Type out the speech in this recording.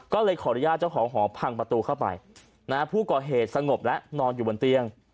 ก็เลยขออนุญาตเจ้าของหอพังประตูเข้าไปนะฮะผู้ก่อเหตุสงบและนอนอยู่บนเตียง